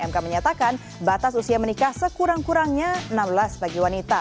mk menyatakan batas usia menikah sekurang kurangnya enam belas bagi wanita